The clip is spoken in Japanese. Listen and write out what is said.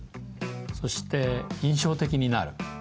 そして印象的になる。